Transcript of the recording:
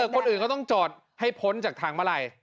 คนอื่นเขาต้องจอดให้พ้นจากทางมาลัย